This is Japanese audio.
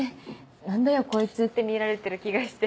「何だよこいつ」って見られてる気がして。